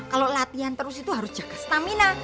kalau latihan terus itu harus jaga stamina